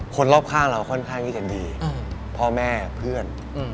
คนรอบข้างเราค่อนข้างที่จะดีพ่อแม่เพื่อน